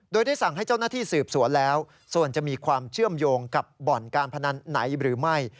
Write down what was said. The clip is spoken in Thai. โดยได้สั่งให้เจ้าหน้าที่สืบสวนแล้วส่วนจะมีความเชื่อมโยงกับบ่อนการพนันไหนหรือไม่